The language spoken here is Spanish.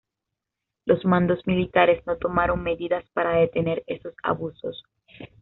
Los mandos militares no tomaron medidas para detener esos abusos.